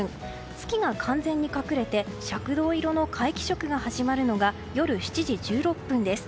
月が完全に隠れて赤銅色の皆既食が始まるのが夜７時１６分です。